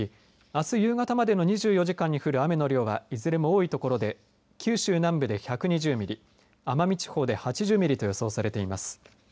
あす夕方のまでの２４時間に降る雨の量はいずれも多い所で九州南部で１２０ミリ奄美地方で８０ミリと予想されています。